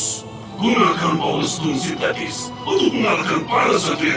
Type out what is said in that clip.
terus gunakan power stone sintetis untuk mengatakan para setia terendah